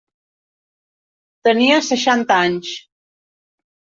Tenia seixanta anys.